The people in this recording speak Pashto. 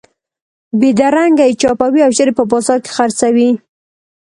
بېدرنګه یې چاپوئ او ژر یې په بازار کې خرڅوئ.